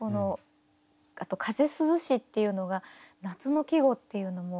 あと「風涼し」っていうのが夏の季語っていうのも。